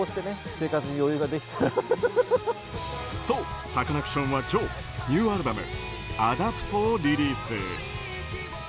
そう、サカナクションは今日ニューアルバム「アダプト」をリリース。